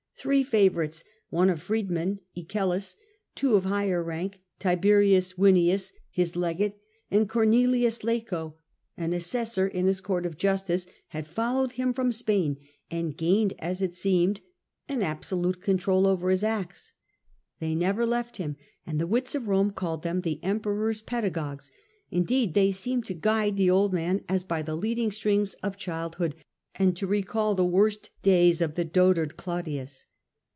Three favourites — one a favour freedman, Icelus ; two of higher rank, T. Vinius, his legate, and Cornelius Laco, an assessor abuse their in his court of justice — had followed him from Spain, and gained, as it seemed, an absolute control over his acts. They never left him, and the wits of Rome called them the Emperor's pedagogues ; indeed, they seemed to guide the old man as by the leading strings of childhood, and to recall the memory of the worst days of the dotard Claudius.